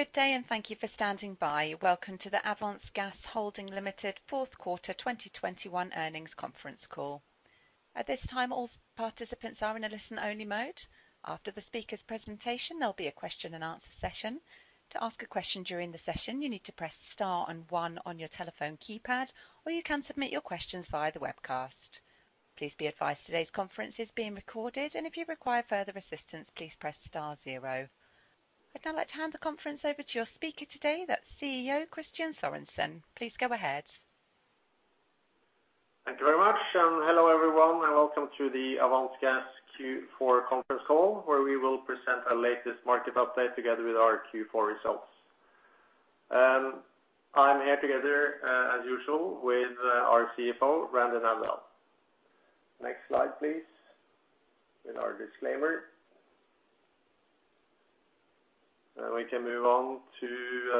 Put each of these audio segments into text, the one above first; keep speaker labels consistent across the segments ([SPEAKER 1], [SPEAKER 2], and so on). [SPEAKER 1] Good day, and thank you for standing by. Welcome to the Avance Gas Holding Ltd fourth quarter 2021 earnings conference call. At this time, all participants are in a listen-only mode. After the speaker's presentation, there'll be a question and answer session. To ask a question during the session, you need to press star and one on your telephone keypad, or you can submit your questions via the webcast. Please be advised today's conference is being recorded, and if you require further assistance, please press star zero. I'd now like to hand the conference over to your speaker today, that's CEO Kristian Sørensen. Please go ahead.
[SPEAKER 2] Thank you very much, and hello, everyone, and welcome to the Avance Gas Q4 conference call, where we will present our latest market update together with our Q4 results. I'm here together, as usual with, our CFO, Randi Navdal. Next slide, please, with our disclaimer. We can move on to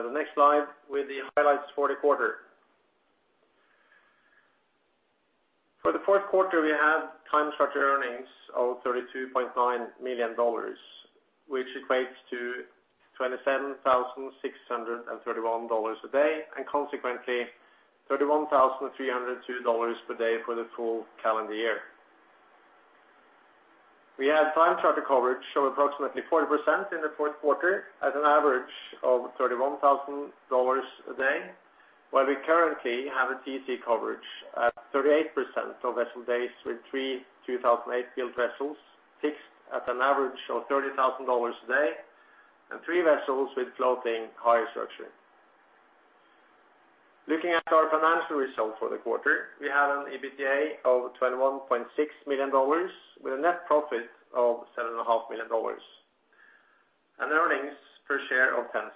[SPEAKER 2] the next slide with the highlights for the quarter. For the fourth quarter, we had time charter earnings of $32.9 million, which equates to $27,631 a day, and consequently $31,302 per day for the full calendar year. We had time charter coverage of approximately 40% in the fourth quarter at an average of $31,000 a day, while we currently have a TC coverage at 38% of vessel days with three 2008-built vessels fixed at an average of $30,000 a day and three vessels with floating hire structure. Looking at our financial results for the quarter, we had an EBITDA of $21.6 million with a net profit of $7.5 million and earnings per share of $0.10.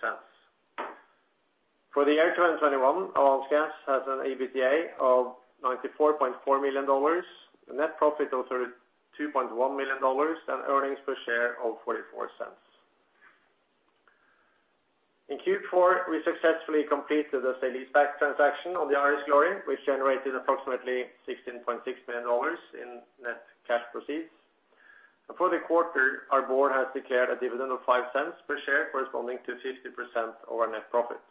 [SPEAKER 2] For the year 2021, Avance Gas has an EBITDA of $94.4 million, a net profit of $32.1 million, and earnings per share of $0.44. In Q4, we successfully completed the sale and lease-back transaction on the Iris Glory, which generated approximately $16.6 million in net cash proceeds. For the quarter, our board has declared a dividend of $0.05 per share, corresponding to 50% of our net profits.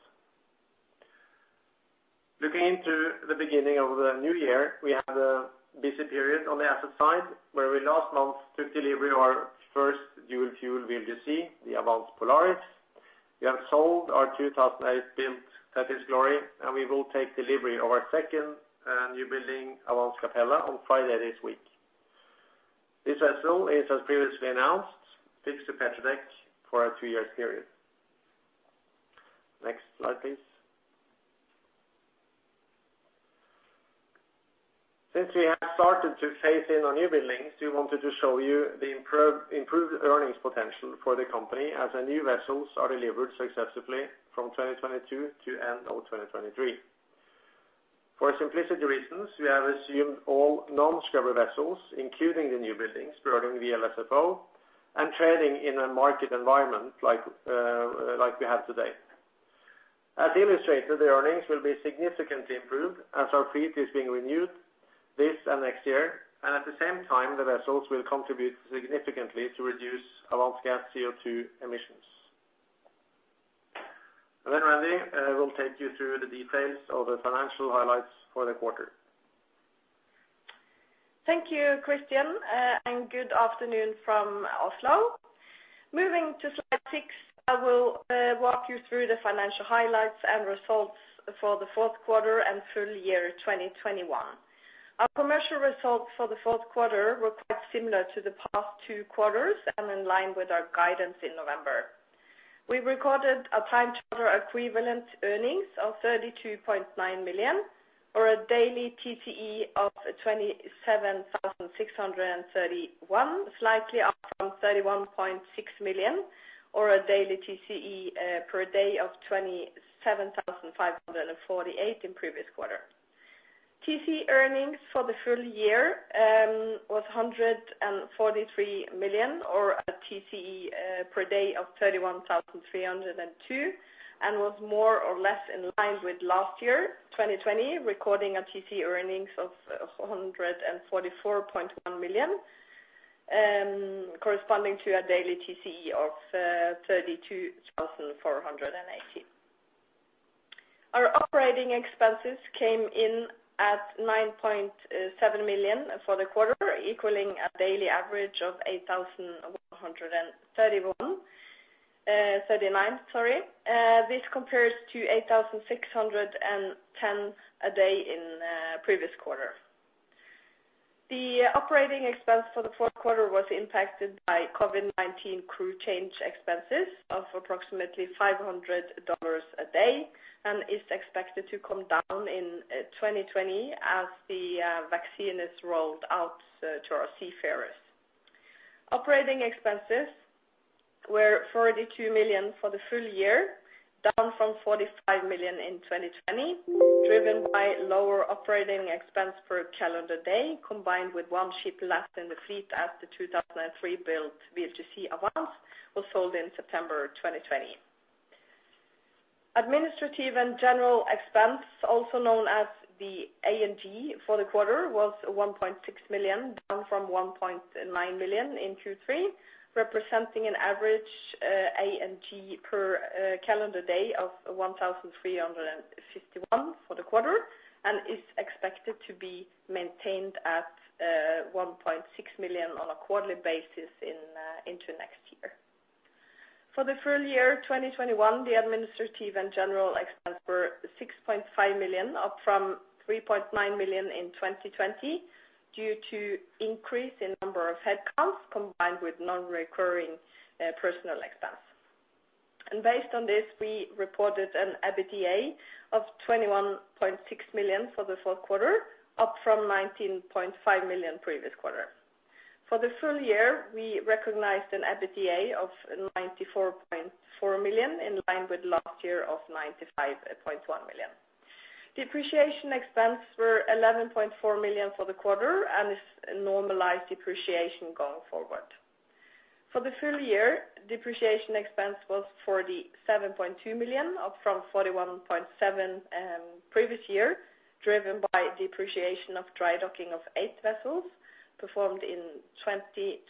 [SPEAKER 2] Looking into the beginning of the new year, we had a busy period on the asset side, where we last month took delivery of our first dual-fuel VLGC, the Avance Polaris. We have sold our 2008-built Pegasus Glory, and we will take delivery of our second newbuilding, Avance Capella, on Friday this week. This vessel is, as previously announced, fixed to Petredec for a two-year period. Next slide, please. Since we have started to phase in our new buildings, we wanted to show you the improved earnings potential for the company as the new vessels are delivered successfully from 2022 to end of 2023. For simplicity reasons, we have assumed all non-scrubber vessels, including the new buildings burning VLSFO and trading in a market environment like we have today. As illustrated, the earnings will be significantly improved as our fleet is being renewed this and next year, and at the same time, the vessels will contribute significantly to reduce Avance Gas CO2 emissions. Then Randi will take you through the details of the financial highlights for the quarter.
[SPEAKER 3] Thank you, Kristian, and good afternoon from Oslo. Moving to slide six, I will walk you through the financial highlights and results for the fourth quarter and full year 2021. Our commercial results for the fourth quarter were quite similar to the past two quarters and in line with our guidance in November. We recorded a time charter equivalent earnings of $32.9 million or a daily TCE of $27,631, slightly up from $31.6 million or a daily TCE per day of $27,548 in previous quarter. TCE earnings for the full year was $143 million or a TCE per day of $31,302 and was more or less in line with last year, 2020, recording a TCE earnings of $144.1 million, corresponding to a daily TCE of $32,418. Our operating expenses came in at $9.7 million for the quarter, equaling a daily average of $8,139. This compares to $8,610 a day in previous quarter. The operating expense for the fourth quarter was impacted by COVID-19 crew change expenses of approximately $500 a day and is expected to come down in 2021 as the vaccine is rolled out to our seafarers. Operating expenses were $42 million for the full year, down from $45 million in 2020, driven by lower operating expense per calendar day, combined with one ship less in the fleet as the 2003-built VLGC Avance was sold in September 2020. Administrative and general expense, also known as the A&G for the quarter, was $1.6 million, down from $1.9 million in Q3, representing an average, A&G per, calendar day of 1,351 for the quarter, and is expected to be maintained at, one point six million on a quarterly basis in, into next year. For the full year 2021, the administrative and general expense were $6.5 million, up from $3.9 million in 2020 due to increase in number of headcounts combined with non-recurring, personal expense. Based on this, we reported an EBITDA of $21.6 million for the fourth quarter, up from $19.5 million previous quarter. For the full year, we recognized an EBITDA of $94.4 million, in line with last year of $95.1 million. Depreciation expense were $11.4 million for the quarter, and it's a normalized depreciation going forward. For the full year, depreciation expense was $47.2 million, up from $41.7 million previous year, driven by depreciation of dry docking of eight vessels performed in 2020,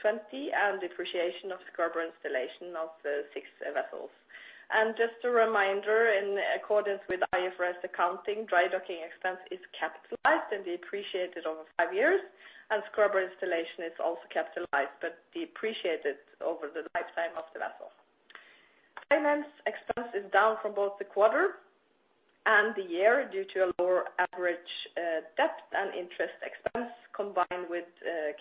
[SPEAKER 3] and depreciation of the scrubber installation of the six vessels. Just a reminder, in accordance with IFRS accounting, dry docking expense is capitalized and depreciated over five years, and scrubber installation is also capitalized but depreciated over the lifetime of the vessel. Finance expense is down for both the quarter and the year due to a lower average debt and interest expense combined with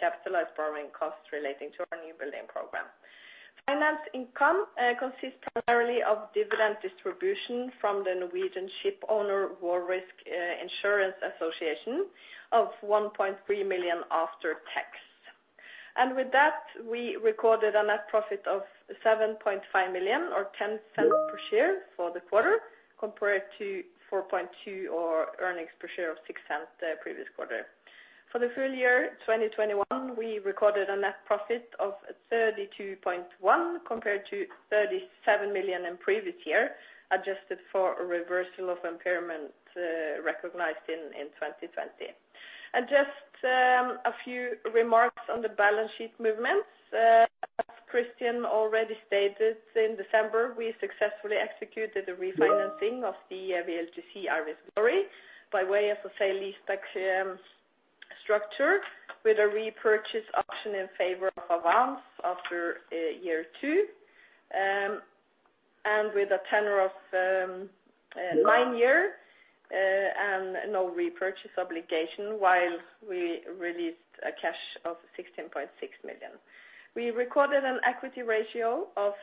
[SPEAKER 3] capitalized borrowing costs relating to our new building program. Finance income consists primarily of dividend distribution from the Norwegian Shipowners' Mutual War Risks Insurance Association of $1.3 million after tax. With that, we recorded a net profit of $7.5 million or $0.10 per share for the quarter, compared to $4.2 million or earnings per share of $0.06 the previous quarter. For the full year 2021, we recorded a net profit of $32.1 million compared to $37 million in previous year, adjusted for a reversal of impairment recognized in 2020. Just a few remarks on the balance sheet movements. As Kristian Sørensen already stated, in December, we successfully executed a refinancing of the VLGC Iris Glory by way of a sale leaseback structure with a repurchase option in favor of Avance after year two, and with a tenor of nine years, and no repurchase obligation while we released $16.6 million. We recorded an equity ratio of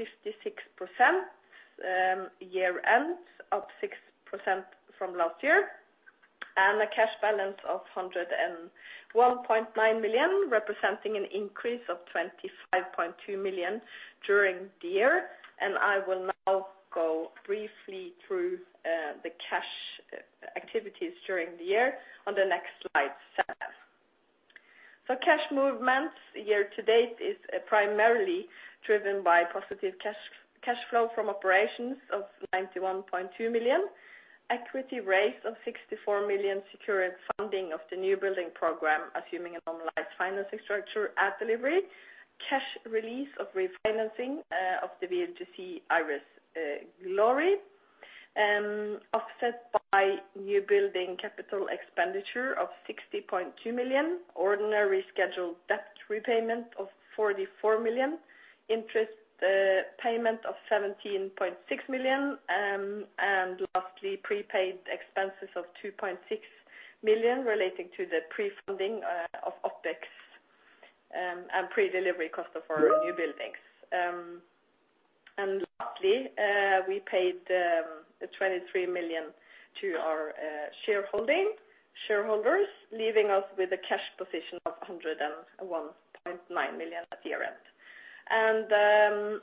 [SPEAKER 3] 56%, year end, up 6% from last year, and a cash balance of $101.9 million, representing an increase of $25.2 million during the year. I will now go briefly through the cash activities during the year on the next slide. Cash movements year to date is primarily driven by positive cash flow from operations of $91.2 million, equity raise of $64 million securing funding of the new building program, assuming a normalized financing structure at delivery, cash release of refinancing of the VLGC Iris Glory, offset by new building capital expenditure of $60.2 million, ordinary scheduled debt repayment of $44 million, interest payment of $17.6 million, and lastly, prepaid expenses of $2.6 million relating to the pre-funding of OpEx and predelivery cost of our new buildings. We paid $23 million to our shareholding shareholders, leaving us with a cash position of $101.9 million at year-end.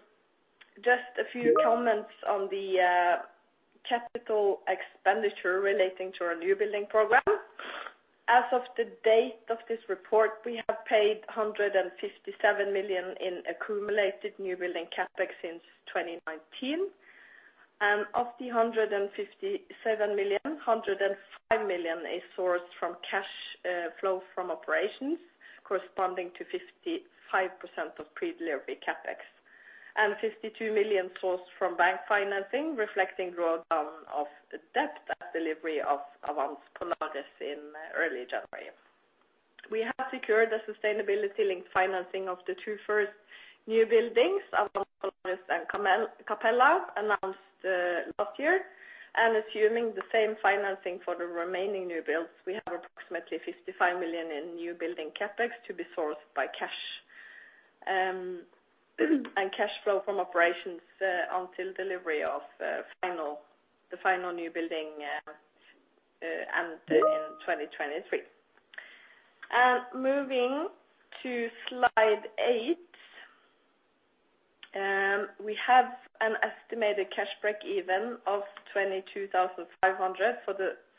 [SPEAKER 3] Just a few comments on the capital expenditure relating to our new building program. As of the date of this report, we have paid $157 million in accumulated new building CapEx since 2019. Of the $157 million, $105 million is sourced from cash flow from operations corresponding to 55% of predelivery CapEx, and $52 million sourced from bank financing, reflecting drawdown of the debt at delivery of Avance Polaris in early January. We have secured the sustainability link financing of the two first new buildings, Avance Polaris and Avance Capella, announced last year. Assuming the same financing for the remaining new builds, we have approximately $55 million in new building CapEx to be sourced by cash and cash flow from operations until delivery of the final new building and in 2023. Moving to slide eight, we have an estimated cash break even of $22,500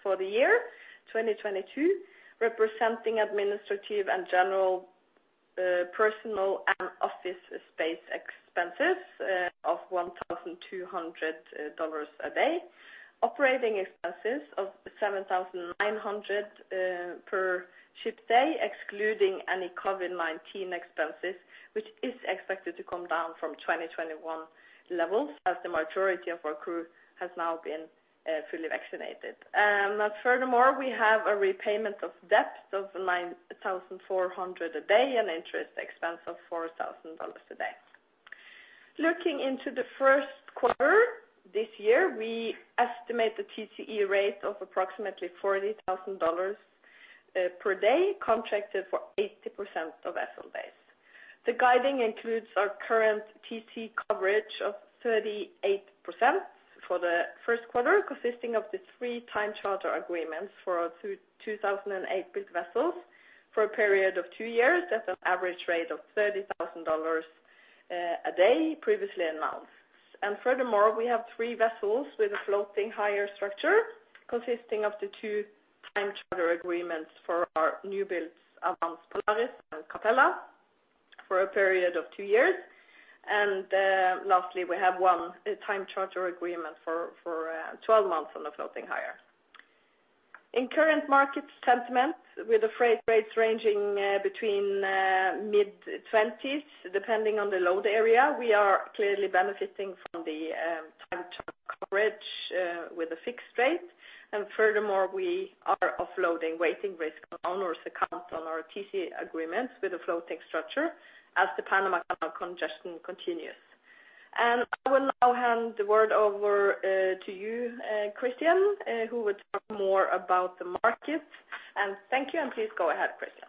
[SPEAKER 3] for the year 2022, representing administrative and general, personnel and office space expenses of $1,200 a day. Operating expenses of $7,900 per ship day, excluding any COVID-19 expenses, which is expected to come down from 2021 levels, as the majority of our crew has now been fully vaccinated. Furthermore, we have a repayment of debt of 9,400 a day and interest expense of $4,000 a day. Looking into the first quarter this year, we estimate the TCE rate of approximately $40,000 per day, contracted for 80% of vessel days. The guidance includes our current TC coverage of 38% for the first quarter, consisting of the three time charter agreements for our 2008-built vessels for a period of two years at an average rate of $30,000 a day previously announced. Furthermore, we have three vessels with a floating hire structure consisting of the two time charter agreements for our new builds, Avance Polaris and Avance Capella, for a period of two years. Lastly, we have one time charter agreement for 12 months on the floating hire. In current market sentiment with the freight rates ranging between mid-20s depending on the load area, we are clearly benefiting from the time charter coverage with a fixed rate. Furthermore, we are offloading waiting risk on owner's account on our TC agreements with the floating structure as the Panama Canal congestion continues. I will now hand the word over to you, Kristian, who will talk more about the market. Thank you, and please go ahead, Kristian.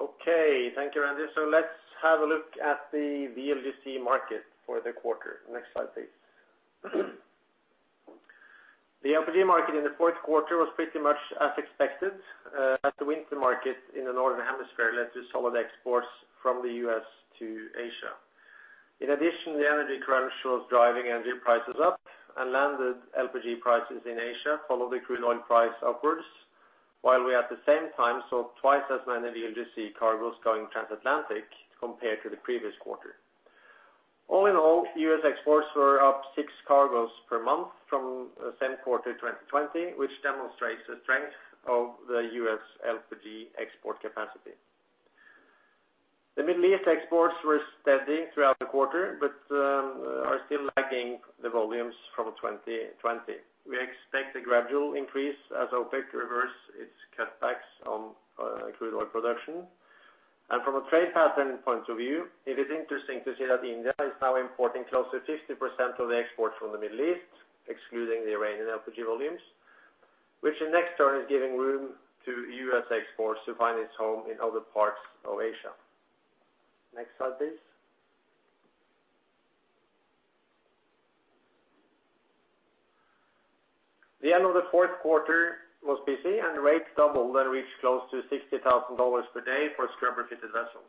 [SPEAKER 2] Okay. Thank you, RandI. Let's have a look at the VLGC market for the quarter. Next slide, please. The LPG market in the fourth quarter was pretty much as expected, as the winter market in the Northern Hemisphere led to solid exports from the U.S. to Asia. In addition, the energy crunch was driving energy prices up and landed LPG prices in Asia followed the crude oil price upwards, while we at the same time saw twice as many VLGC cargoes going transatlantic compared to the previous quarter. All in all, U.S. exports were up six cargoes per month from the same quarter in 2020, which demonstrates the strength of the U.S. LPG export capacity. The Middle East exports were steady throughout the quarter, but are still lagging the volumes from 2020. We expect a gradual increase as OPEC reverse its cutbacks on crude oil production. From a trade pattern point of view, it is interesting to see that India is now importing close to 50% of the exports from the Middle East, excluding the Iranian LPG volumes, which in next turn is giving room to U.S. exports to find its home in other parts of Asia. Next slide, please. The end of the fourth quarter was busy, and rates doubled and reached close to $60,000 per day for scrubber-fitted vessels.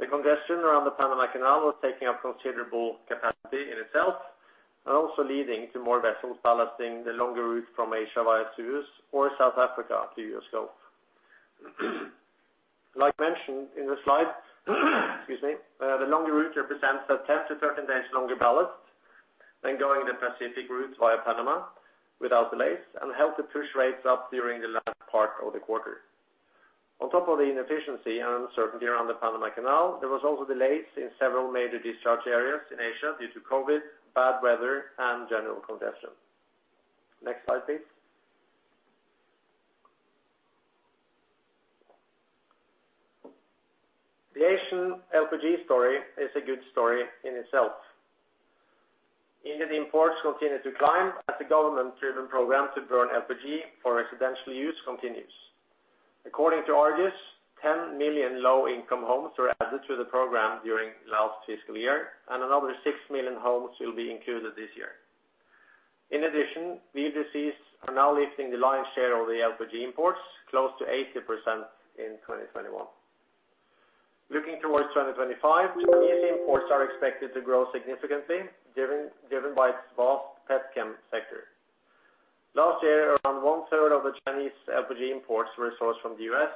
[SPEAKER 2] The congestion around the Panama Canal was taking up considerable capacity in itself and also leading to more vessels ballasting the longer route from Asia via Suez or South Africa to U.S. Gulf. Like mentioned in the slide excuse me, the longer route represents a 10-13 days longer ballast than going the Pacific route via Panama without delays and helped to push rates up during the last part of the quarter. On top of the inefficiency and uncertainty around the Panama Canal, there was also delays in several major discharge areas in Asia due to COVID, bad weather, and general congestion. Next slide, please. The Asian LPG story is a good story in itself. India imports continue to climb as the government-driven program to burn LPG for residential use continues. According to Argus, 10 million low-income homes were added to the program during last fiscal year, and another 6 million homes will be included this year. In addition, VLGCs are now lifting the lion's share of the LPG imports, close to 80% in 2021. Looking towards 2025, these imports are expected to grow significantly, driven by its vast petrochemical sector. Last year, around a third of the Chinese LPG imports were sourced from the U.S.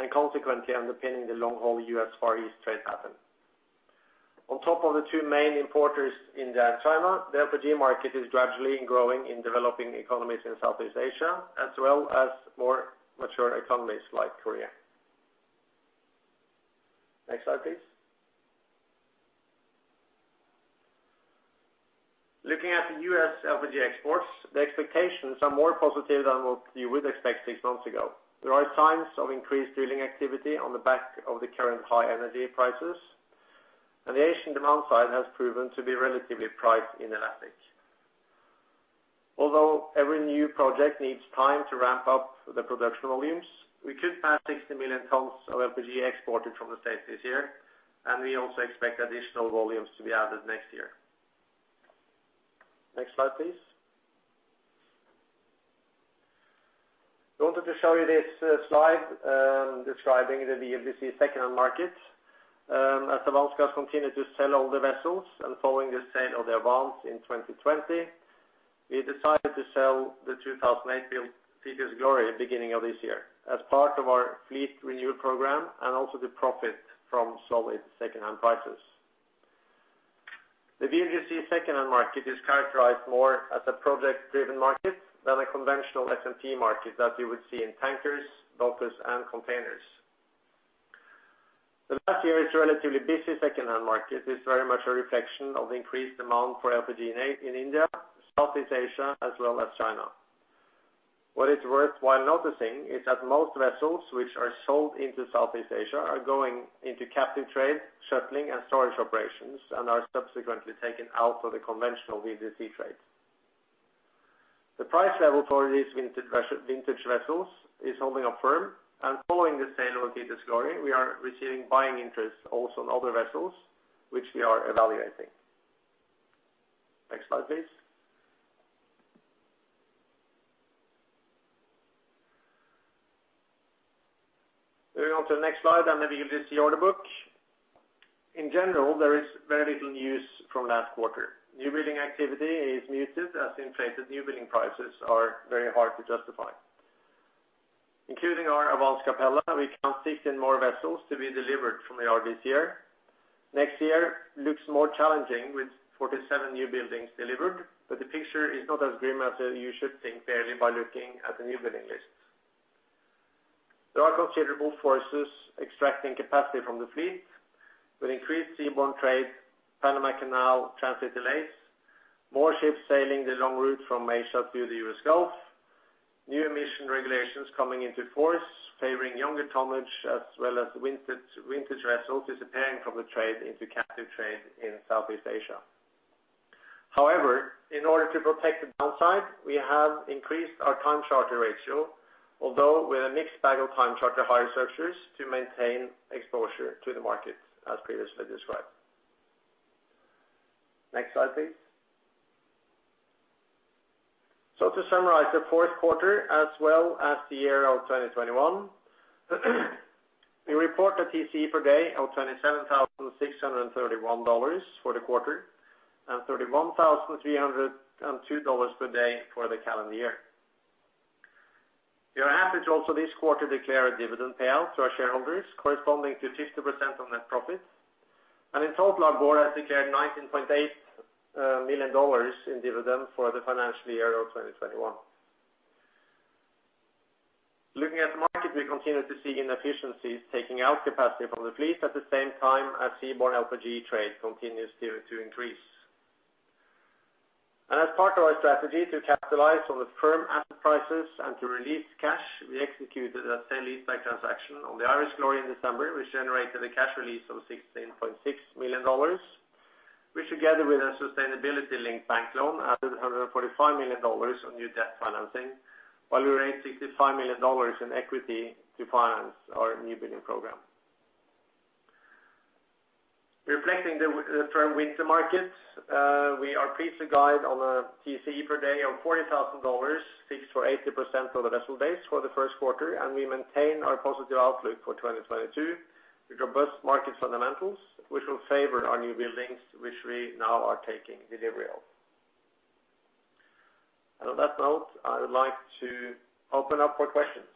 [SPEAKER 2] and consequently underpinning the long-haul U.S. Far East trade pattern. On top of the two main importers, India and China, the LPG market is gradually growing in developing economies in Southeast Asia, as well as more mature economies like Korea. Next slide, please. Looking at the U.S. LPG exports, the expectations are more positive than what you would expect six months ago. There are signs of increased drilling activity on the back of the current high energy prices, and the Asian demand side has proven to be relatively price inelastic. Although every new project needs time to ramp up the production volumes, we could pass 60 million tons of LPG exported from the States this year, and we also expect additional volumes to be added next year. Next slide, please. I wanted to show you this, slide, describing the VLGC secondhand market, as the Avance Gas continued to sell all the vessels and following the sale of the Avance in 2020. We decided to sell the 2008 Thetis Glory beginning of this year as part of our fleet renewal program and also the profit from solid secondhand prices. The VLGC secondhand market is characterized more as a project-driven market than a conventional S&P market that you would see in tankers, bulkers, and containers. The last year, it's relatively busy secondhand market. It's very much a reflection of increased demand for LPG in India, Southeast Asia, as well as China. What is worthwhile noticing is that most vessels which are sold into Southeast Asia are going into captive trade, shuttling, and storage operations, and are subsequently taken out of the conventional VLGC trade. The price level for these vintage vessels is holding up firm, and following the sale of Thetis Glory, we are receiving buying interest also on other vessels which we are evaluating. Next slide, please. Moving on to the next slide and the VLGC order book. In general, there is very little news from last quarter. New building activity is muted as inflated new building prices are very hard to justify. Including our Avance Capella, we count 16 more vessels to be delivered from the yard this year. Next year looks more challenging with 47 new buildings delivered, but the picture is not as grim as you should think barely by looking at the new building list. There are considerable forces extracting capacity from the fleet. With increased seaborne trade, Panama Canal transit delays, more ships sailing the long route from Asia through the U.S. Gulf, new emission regulations coming into force favoring younger tonnage as well as vintage vessels disappearing from the trade into captive trade in Southeast Asia. However, in order to protect the downside, we have increased our time charter ratio, although with a mixed bag of time charter hire structures to maintain exposure to the market as previously described. Next slide, please. To summarize the fourth quarter as well as the year of 2021, we report a TCE per day of $27,631 for the quarter and $31,302 per day for the calendar year. We are happy to also this quarter declare a dividend payout to our shareholders corresponding to 60% of net profit. In total, our board has declared $19.8 million in dividend for the financial year of 2021. Looking at the market, we continue to see inefficiencies taking out capacity from the fleet at the same time as seaborne LPG trade continues to increase. As part of our strategy to capitalize on the firm asset prices and to release cash, we executed a sale leaseback transaction on the Iris Glory in December, which generated a cash release of $16.6 million, which together with a sustainability-linked bank loan added $145 million of new debt financing, while we raised $65 million in equity to finance our new building program. Reflecting the firm winter markets, we are pleased to guide on a TCE per day of $40,000 fixed for 80% of the vessel days for the first quarter, and we maintain our positive outlook for 2022 with robust market fundamentals, which will favor our new buildings, which we now are taking delivery of. On that note, I would like to open up for questions.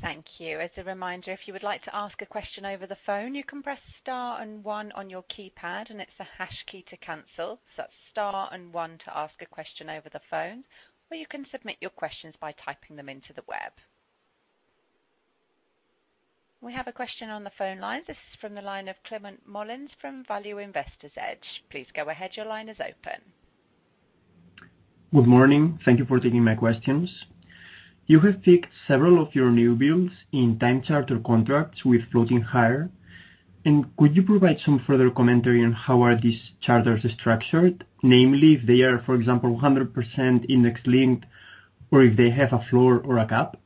[SPEAKER 1] Thank you. As a reminder, if you would like to ask a question over the phone, you can press star and one on your keypad, and it's the hash key to cancel. So star and one to ask a question over the phone, or you can submit your questions by typing them into the web. We have a question on the phone line. This is from the line of Climent Molins from Value Investor's Edge. Please go ahead. Your line is open.
[SPEAKER 4] Good morning. Thank you for taking my questions. You have fixed several of your new builds in time charter contracts with floating hire. Could you provide some further commentary on how are these charters structured, namely if they are, for example, 100% index-linked, or if they have a floor or a cap?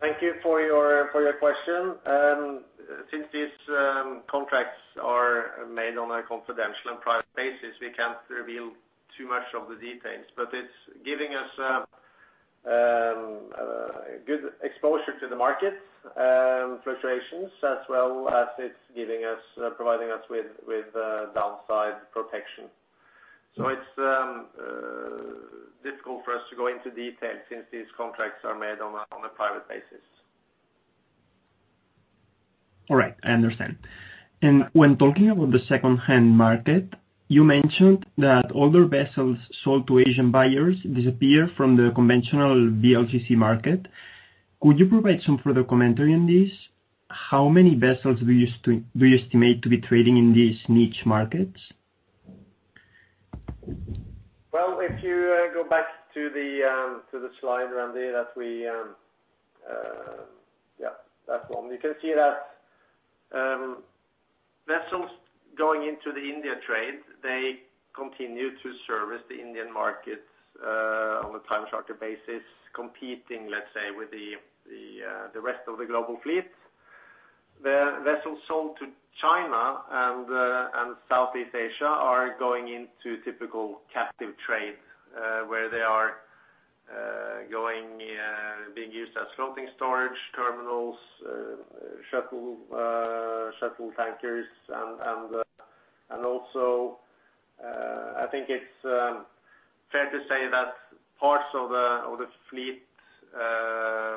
[SPEAKER 2] Thank you for your question. Since these contracts are made on a confidential and private basis, we can't reveal too much of the details. It's giving us a good exposure to the market fluctuations, as well as providing us with downside protection. It's difficult for us to go into detail since these contracts are made on a private basis.
[SPEAKER 4] All right, I understand. When talking about the secondhand market, you mentioned that older vessels sold to Asian buyers disappear from the conventional VLGC market. Could you provide some further commentary on this? How many vessels do you estimate to be trading in these niche markets?
[SPEAKER 2] Well, if you go back to the slide, Randy, that one. You can see that vessels going into the India trade, they continue to service the Indian markets on a time charter basis, competing, let's say, with the rest of the global fleet. The vessels sold to China and Southeast Asia are going into typical captive trade, where they are being used as floating storage terminals, shuttle tankers. I think it's fair to say that parts of the fleet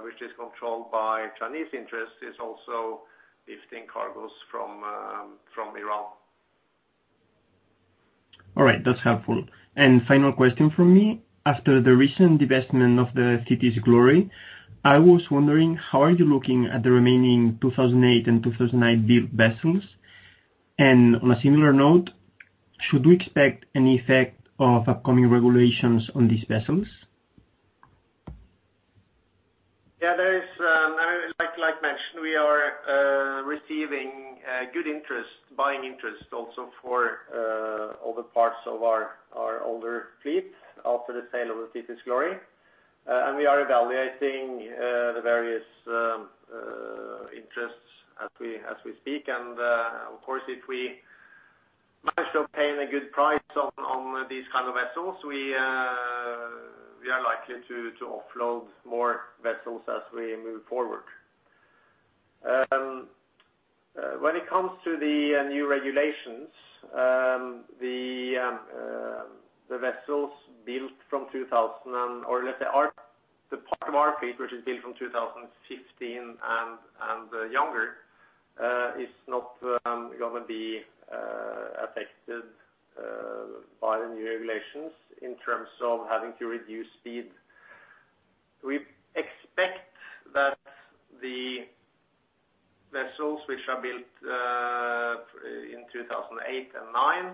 [SPEAKER 2] which is controlled by Chinese interests is also lifting cargoes from Iran.
[SPEAKER 4] All right. That's helpful. Final question from me. After the recent divestment of the Thetis Glory, I was wondering how are you looking at the remaining 2008 and 2009 build vessels? And on a similar note, should we expect any effect of upcoming regulations on these vessels?
[SPEAKER 2] Yeah, there is, like mentioned, we are receiving good interest, buying interest also for other parts of our older fleet after the sale of the Thetis Glory. We are evaluating the various interests as we speak. Of course, if we manage to obtain a good price on these kind of vessels, we are likely to offload more vessels as we move forward. When it comes to the new regulations, the part of our fleet which is built from 2015 and younger is not gonna be affected by the new regulations in terms of having to reduce speed. We expect that the vessels which are built in 2008 and nine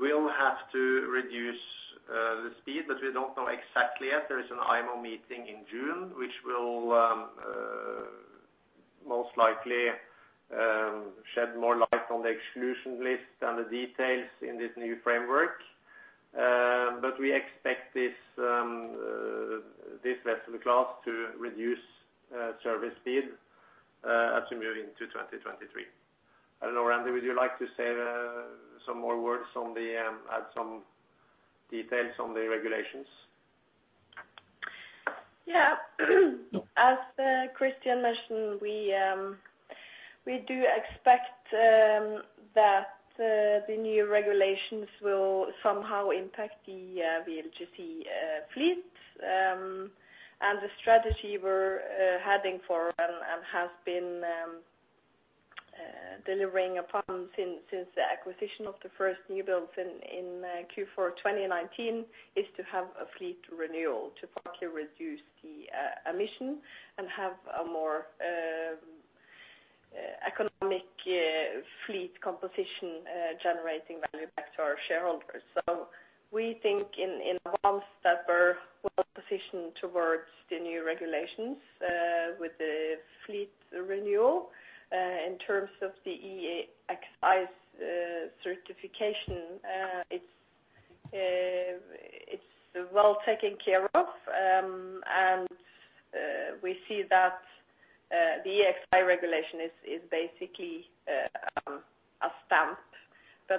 [SPEAKER 2] will have to reduce the speed, but we don't know exactly yet. There is an IMO meeting in June, which will most likely shed more light on the exclusion list and the details in this new framework. We expect this vessel class to reduce service speed as we move into 2023. I don't know, Randi, would you like to add some details on the regulations?
[SPEAKER 3] Yeah. As Kristian Sørensen mentioned, we do expect that the new regulations will somehow impact the VLGC fleet. The strategy we're heading for and has been delivering upon since the acquisition of the first newbuilds in Q4 2019 is to have a fleet renewal to partly reduce the emission and have a more economic fleet composition, generating value back to our shareholders. We think in one step we're well-positioned towards the new regulations with the fleet renewal. In terms of the EEXI certification, it's well taken care of. We see that the EEXI regulation is basically a stamp. The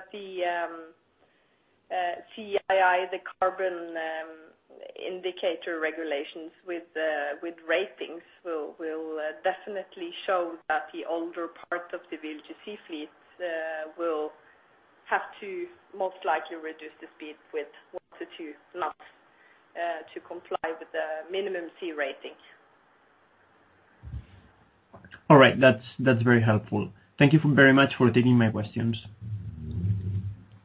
[SPEAKER 3] CII, the carbon indicator regulations with ratings will definitely show that the older part of the VLGC fleet will have to most likely reduce the speed by 1-2 knots to comply with the minimum C rating.
[SPEAKER 4] All right. That's very helpful. Thank you very much for taking my questions.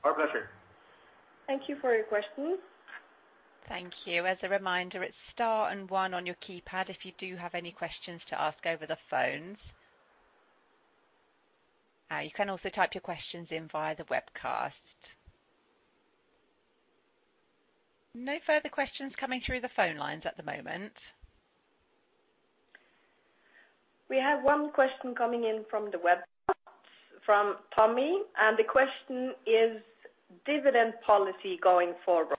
[SPEAKER 2] Our pleasure.
[SPEAKER 3] Thank you for your questions.
[SPEAKER 1] Thank you. As a reminder, it's star and one on your keypad if you do have any questions to ask over the phones. You can also type your questions in via the webcast. No further questions coming through the phone lines at the moment.
[SPEAKER 3] We have one question coming in from the webcast from Tommy, and the question is dividend policy going forward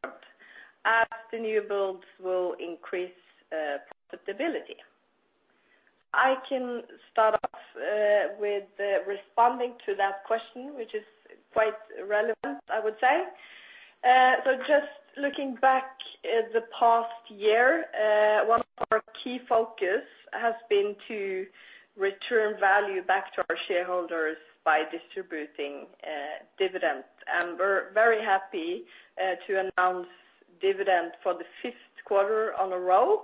[SPEAKER 3] as the new builds will increase profitability. I can start off with responding to that question, which is quite relevant, I would say. Just looking back at the past year, one of our key focus has been to return value back to our shareholders by distributing dividend. We're very happy to announce dividend for the fifth quarter in a row.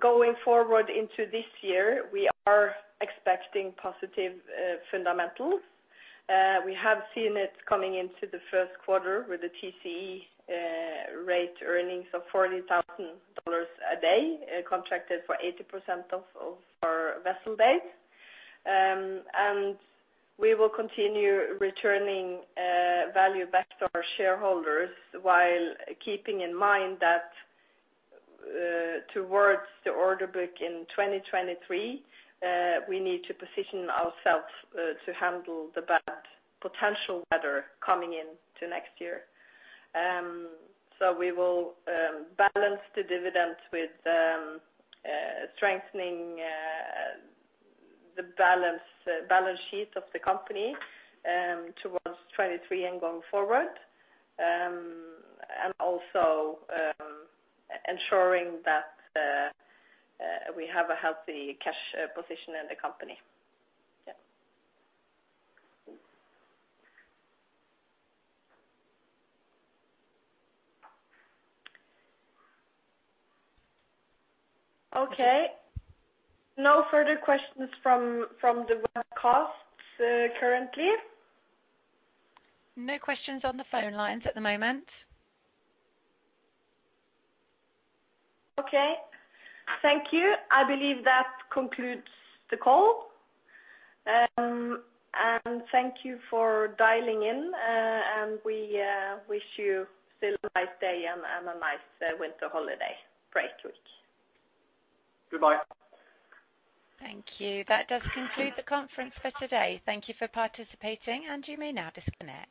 [SPEAKER 3] Going forward into this year, we are expecting positive fundamentals. We have seen it coming into the first quarter with the TCE rate earnings of $40,000 a day, contracted for 80% of our vessel days. We will continue returning value back to our shareholders while keeping in mind that towards the order book in 2023 we need to position ourselves to handle the bad potential weather coming into next year. We will balance the dividends with strengthening the balance sheet of the company towards 2023 and going forward. Also, ensuring that we have a healthy cash position in the company. Yeah. Okay. No further questions from the webcasts currently.
[SPEAKER 1] No questions on the phone lines at the moment.
[SPEAKER 3] Okay. Thank you. I believe that concludes the call. Thank you for dialing in, and we wish you still a nice day and a nice winter holiday break week.
[SPEAKER 2] Goodbye.
[SPEAKER 1] Thank you. That does conclude the conference for today. Thank you for participating, and you may now disconnect.